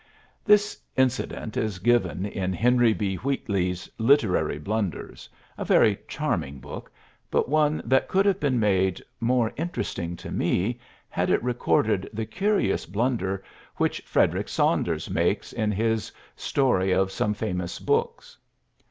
This incident is given in Henry B. Wheatley's "Literary Blunders," a very charming book, but one that could have been made more interesting to me had it recorded the curious blunder which Frederick Saunders makes in his "Story of Some Famous Books."